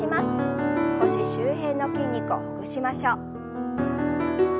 腰周辺の筋肉をほぐしましょう。